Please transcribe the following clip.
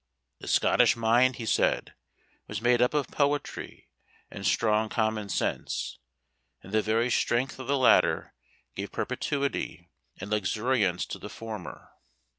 The Scottish mind, he said, was made up of poetry and strong common sense; and the very strength of the latter gave perpetuity and luxuriance to the former.